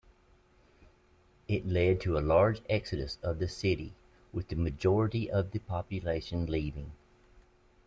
It led to a large exodus of the city, with a majority of the population leaving.